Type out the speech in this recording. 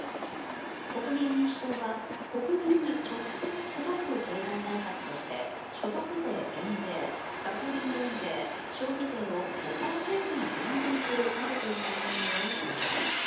国民民主党は国民に直接届く経済対策として所得税減税、ガソリン減税消費税を５％に減税するなどといった内容を提案。